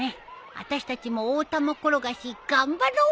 あたしたちも大玉転がし頑張ろう。